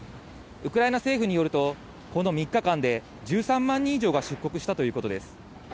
ウクライナ政府によると、この３日間で１３万人以上が出国したということです。